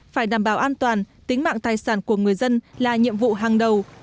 phải đảm bảo an toàn tính mạng tài sản của người dân là nhiệm vụ hàng đầu